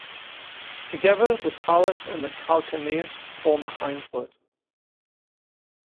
Together, the talus and calcaneus form the hindfoot.